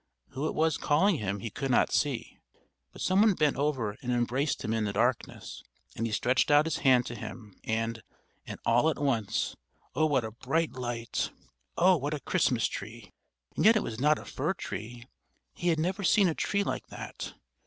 Who it was calling him, he could not see, but some one bent over and embraced him in the darkness; and he stretched out his hands to him, and ... and all at once oh, what a bright light! Oh, what a Christmas tree! And yet it was not a fir tree, he had never seen a tree like that!